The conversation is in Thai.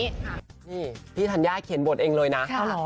นี่พี่ธัญญาเขียนบทเองเลยนะ